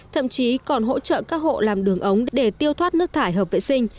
thậm chí còn hỗ trợ các hộ làm đường ống để tiêu thoát nước thải hợp vệ sinh